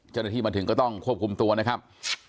เจ้าหน้าที่มาถึงก็ต้องควบคุมตัวนะครับ